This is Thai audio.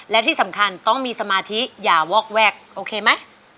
และที่สำคัญต้องมีสมาธิอย่าวอกแวกโอเคไหม